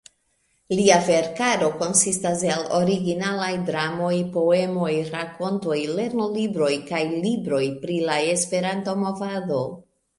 Lia verkaro konsistas el originalaj dramoj, poemoj, rakontoj, lernolibroj kaj libroj pri la Esperanto-movado.